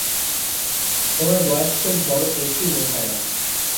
তোমার বয়স তো বড়ো বেশি বোধ হয় না।